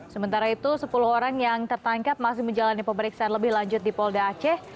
sementara itu sepuluh orang yang tertangkap masih menjalani pemeriksaan lebih lanjut di polda aceh